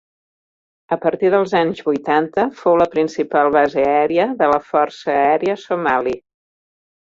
A partir dels anys vuitanta fou la principal base aèria de la Força Aèria Somali.